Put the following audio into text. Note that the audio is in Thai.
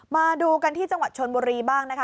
มาดูกันที่จังหวัดชนบุรีบ้างนะคะ